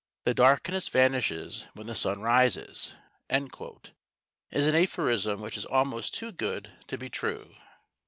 "The darkness vanishes when the sun rises" is an aphorism which is almost too good to be true.